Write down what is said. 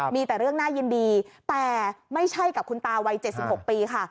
มีแต่เรื่องน่ายินดีแต่ไม่ใช่กับคุณตาวัย๗๖ปีค่ะ